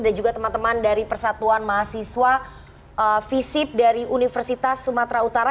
dan juga teman teman dari persatuan mahasiswa fisip dari universitas sumatera utara